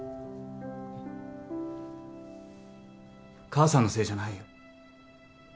母さんのせいじゃないよ。